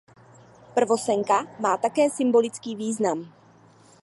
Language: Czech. Prvosenka má také symbolický význam.